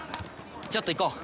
ちょっと行こう！